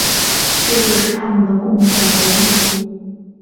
这就是他们的贡献和意义。